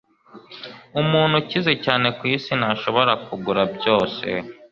umuntu ukize cyane ku isi ntashobora kugura byose